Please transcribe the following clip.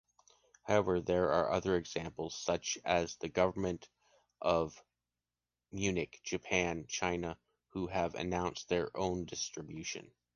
However there are other examples, such as the Government of Munich, Japan and China, who have announced their own distribution.